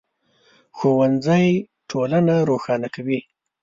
ښوونځی ټولنه روښانه کوي